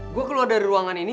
gue keluar dari ruangan ini